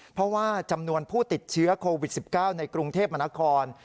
เพราะว่าจำนวนผู้ติดเชื้อโควิด๑๙ในกรุงเทพมนาคม